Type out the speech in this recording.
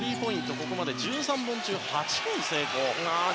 ここまで１３本中８本成功。